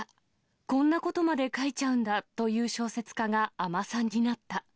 こんなことまで書いちゃうんだ！という小説家が尼さんになった。